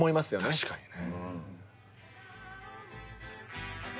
確かにね。